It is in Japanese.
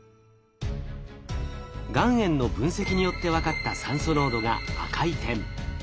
岩塩の分析によって分かった酸素濃度が赤い点。